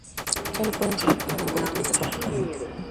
Solo pueden subir pequeños grupos de turistas con acompañamiento.